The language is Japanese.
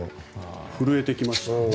震えてきました。